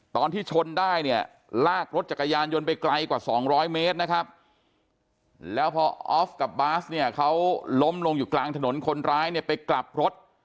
ตอนที่ชนได้เนี่ยลากรถจักรยานยนต์ไปไกลกว่า๒๐๐เมตรนะครับแล้วพอออฟกับบาสเนี่ยเขาล้มลงอยู่กลางถนนคนร้ายเนี่ยไปกลับรถ